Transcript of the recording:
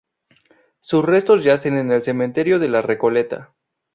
Sus restos yacen en el cementerio de la Recoleta.